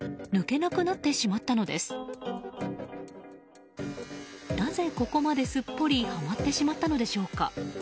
なぜ、ここまですっぽりはまってしまったのでしょうか。